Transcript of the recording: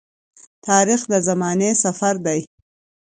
تاریخ د زمانې سفر دی.